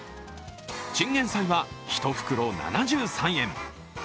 チンゲン菜は１袋７３円。